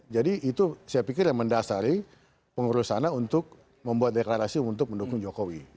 jadi itu saya pikir yang mendasari pengurus sana untuk membuat deklarasi untuk mendukung jokowi